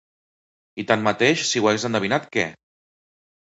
I tanmateix, si ho hagués endevinat, què?